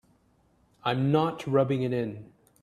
I'm not rubbing it in.